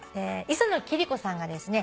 磯野貴理子さんがですね